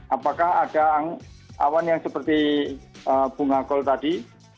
apakah ada awan yang seperti bunga kol tadi